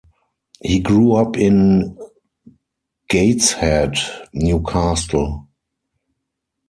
He grew up in Gateshead, Newcastle.